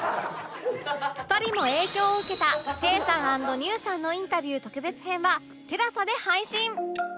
２人も影響を受けた Ｔａｙ さん ＆Ｎｅｗ さんのインタビュー特別編は ＴＥＬＡＳＡ で配信